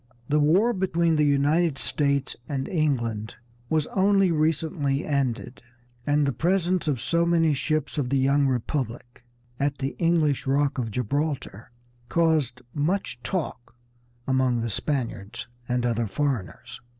The war between the United States and England was only recently ended, and the presence of so many ships of the young Republic at the English Rock of Gibraltar caused much talk among the Spaniards and other foreigners.